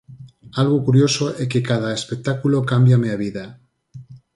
Algo curioso é que cada espectáculo cámbiame a vida.